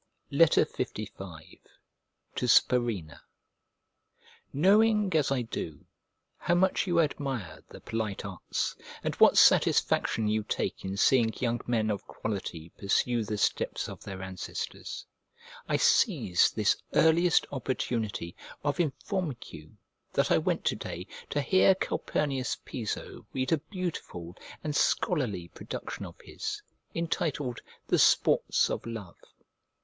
LV To SPURINNA KNOWING, as I do, how much you admire the polite arts, and what satisfaction you take in seeing young men of quality pursue the steps of their ancestors, I seize this earliest opportunity of informing you that I went to day to hear Calpurnius Piso read a beautiful and scholarly production of his, entitled the Sports of Love.